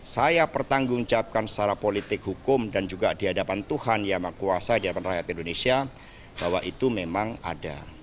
saya pertanggungjawabkan secara politik hukum dan juga di hadapan tuhan yang mengkuasai di hadapan rakyat indonesia bahwa itu memang ada